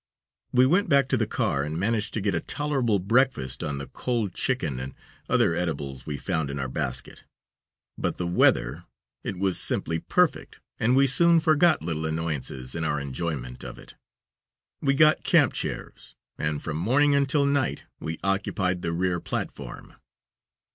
We went back to the car and managed to make a tolerable breakfast on the cold chicken and other eatables we found in our basket. But the weather! It was simply perfect, and we soon forgot little annoyances in our enjoyment of it. We got camp chairs, and from morning until night we occupied the rear platform.